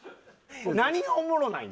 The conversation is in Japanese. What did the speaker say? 何がおもろないん？